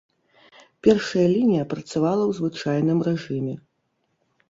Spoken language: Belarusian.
Першая лінія працавала ў звычайным рэжыме.